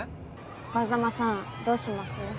風真さんどうします？